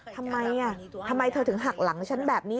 ทำไมทำไมเธอถึงหักหลังฉันแบบนี้